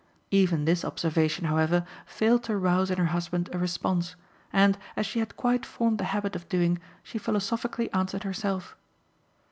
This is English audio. Even this observation, however, failed to rouse in her husband a response, and, as she had quite formed the habit of doing, she philosophically answered herself.